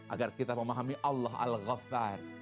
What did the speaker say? agar kita memahami allah al ghaftar